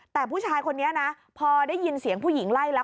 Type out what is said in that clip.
แต่ผู้ชายคนนี้นะพอได้ยินเสียงผู้หญิงไล่แล้ว